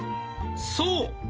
そう。